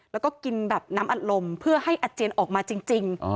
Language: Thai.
แล้วก็กินแบบน้ำอัดลมเพื่อให้อาเจียนออกมาจริง